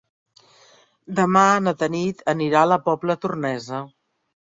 Demà na Tanit anirà a la Pobla Tornesa.